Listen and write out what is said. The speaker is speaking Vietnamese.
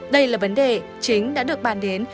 đây là vấn đề chính đã được bàn đến